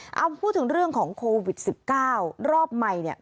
นะคะเอ้าพูดถึงเรื่องของโควิดสิบเก้ารอบใหม่เนี้ย